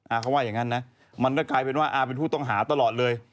เขาว่าอย่างนั้นนะมันก็กลายเป็นว่าอาเป็นผู้ต้องหาตลอดเลย